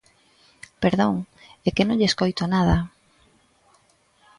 ¡Perdón! É que non lle escoito nada.